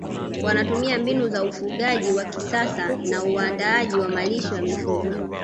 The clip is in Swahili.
wanatumia mbinu za ufugaji wa kisasa na uandaaji wa malisho ya mifugo